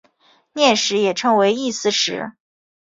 念食也称为意思食。